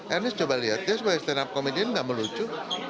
ernis coba lihat dia sebagai stand up komedian nggak melucu